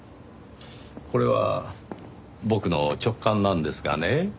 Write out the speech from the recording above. これは僕の直感なんですがね